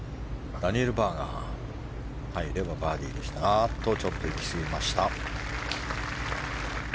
ダニエル・バーガー入ればバーディーでしたがちょっと行きすぎました。